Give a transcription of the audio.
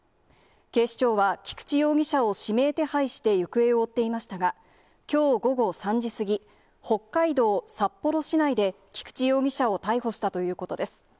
警視庁は、菊池容疑者を指名手配して行方を追っていましたが、きょう午後３時過ぎ、北海道札幌市内で菊池容疑者を逮捕したということです。